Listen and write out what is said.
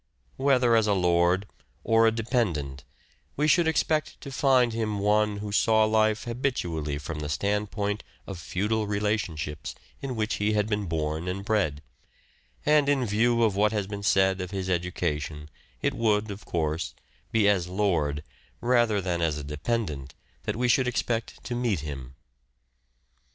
Whether as a lord or a dependent we should expect to find him one who saw life habitually from the standpoint of Feudal relation ships in which he had been born and bred : and in view of what has been said of his education it would, of course, be as lord rather than as a dependent that we should expect to meet him.